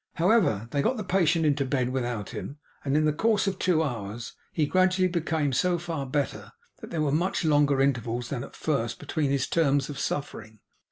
However, they got the patient into bed without him; and in the course of two hours, he gradually became so far better that there were much longer intervals than at first between his terms of suffering.